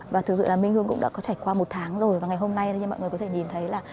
và thực sự là minh hương cũng đã có trải qua một tháng rồi và ngày hôm nay như mọi người có thể nhìn thấy là